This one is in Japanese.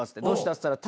「どうした？」